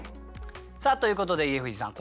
さあということで家藤さん